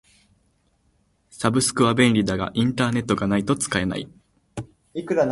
サブスクは便利だがインターネットがないと使えない。